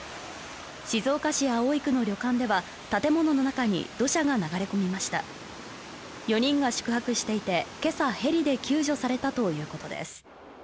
静岡市葵区の旅館では建物の中に土砂が流れ込みました４人が宿泊していてけさヘリで救助されたということです